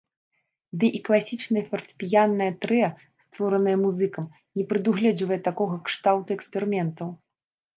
Ды і класічнае фартэпіяннае трыа, створанае музыкам, не прадугледжвае такога кшталту эксперыментаў.